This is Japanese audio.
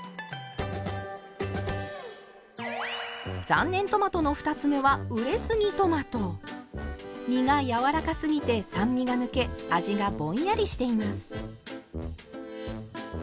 残念トマトの２つ目は実がやわらかすぎて酸味が抜け味がぼんやりしています。